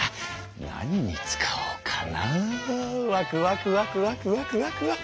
何に使おうかなワクワクワクワクワクワクワク！